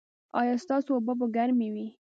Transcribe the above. ایا ستاسو اوبه به ګرمې وي؟